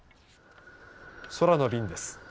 空の便です。